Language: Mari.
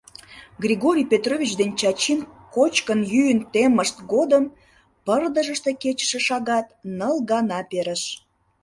Григорий Петрович ден Чачин кочкын-йӱын теммышт годым пырдыжыште кечыше шагат ныл гана перыш...